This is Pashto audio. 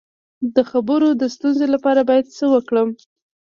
د خبرو د ستونزې لپاره باید څه وکړم؟